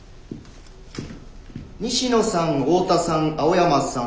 西野さん大田さん青山さん